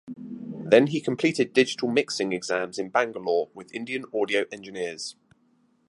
Then he completed digital mixing exams in Bangalore with Indian audio engineers.